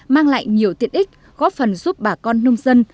mang lại nhiều tiện ích góp phần giúp bà con nông dân